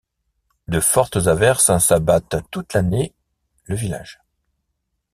De fortes averses s'abattent toute l'année le village.